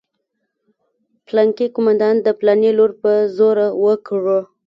پلانکي قومندان د پلاني لور په زوره وکړه.